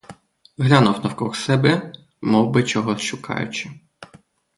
Глянув навкруг себе, мовби чогось шукаючи.